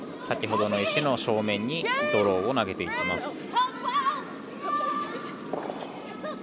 先ほどの石の正面にドローを投げていきます。